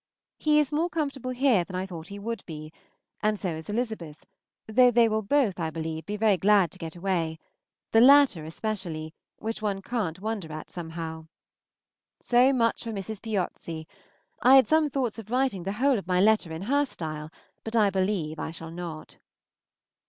He is more comfortable here than I thought he would be, and so is Elizabeth, though they will both, I believe, be very glad to get away the latter especially, which one can't wonder at somehow. So much for Mrs. Piozzi. I had some thoughts of writing the whole of my letter in her style, but I believe I shall not.